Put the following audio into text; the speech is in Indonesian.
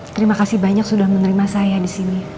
terima kasih banyak sudah menerima saya disini